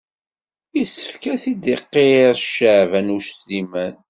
Yessefk ad t-id-iqirr Caɛban U Sliman.